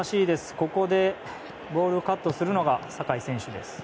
ここでボールをカットするのが酒井選手です。